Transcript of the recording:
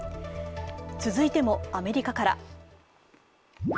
続いても、アメリカから。